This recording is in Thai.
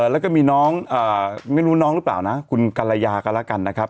แล้วก็มีน้องไม่รู้น้องหรือเปล่านะคุณกัลยากันแล้วกันนะครับ